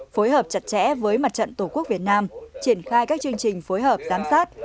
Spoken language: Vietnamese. phối hợp chặt chẽ với mặt trận tổ quốc việt nam triển khai các chương trình phối hợp giám sát